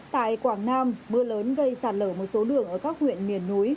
tại quảng nam mưa lớn gây sạt lở một số đường ở các huyện miền núi